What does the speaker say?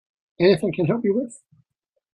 Anything I can help you with?